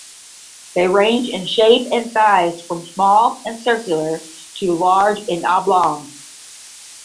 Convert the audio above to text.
They range in shape and size from small and circular to large and oblong.